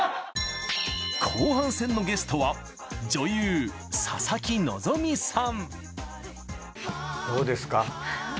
後半戦のゲストはどうですか？